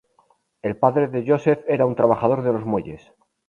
El padre de Joseph era un trabajador de los muelles.